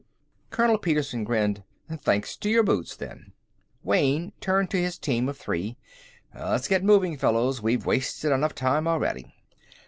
Colonel Petersen grinned. "Thanks to your boots, then." Wayne turned to his team of three. "Let's get moving, fellows. We've wasted enough time already."